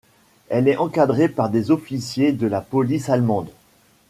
Elle est encadrée par des officiers de la police allemande.